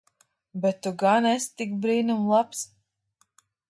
Bet tu gan esi tik brīnum labs.